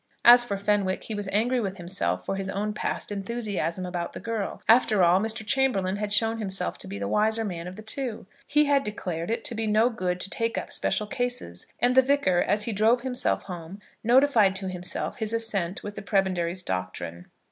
As for Fenwick, he was angry with himself for his own past enthusiasm about the girl. After all, Mr. Chamberlaine had shown himself to be the wiser man of the two. He had declared it to be no good to take up special cases, and the Vicar as he drove himself home notified to himself his assent with the Prebendary's doctrine.